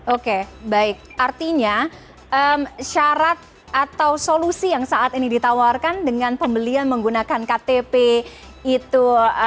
oke baik artinya syarat atau solusi yang saat ini ditawarkan dengan pembelian menggunakan ktp itu